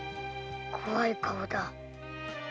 怖い顔だ。